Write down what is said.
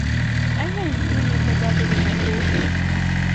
أين يمكننى تبادل النقود؟